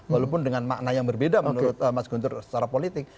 walaupun dengan makna yang berbeda menurut mas guntur secara politik